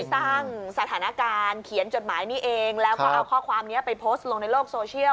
สร้างสถานการณ์เขียนจดหมายนี้เองแล้วก็เอาข้อความนี้ไปโพสต์ลงในโลกโซเชียล